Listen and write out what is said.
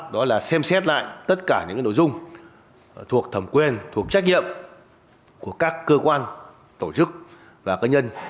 để xem xét lại tất cả những nội dung thuộc thẩm quyền thuộc trách nhiệm của các cơ quan tổ chức và cơ nhân